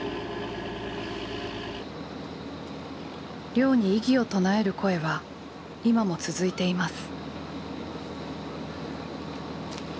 漁に異議を唱える声は今も続いています。